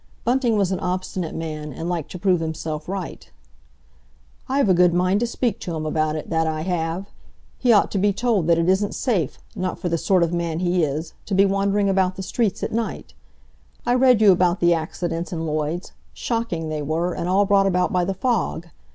Bunting was an obstinate man, and liked to prove himself right. "I've a good mind to speak to him about it, that I have! He ought to be told that it isn't safe—not for the sort of man he is—to be wandering about the streets at night. I read you out the accidents in Lloyd's—shocking, they were, and all brought about by the fog!